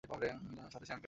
সাথে শ্যাম্পেন দিবেন।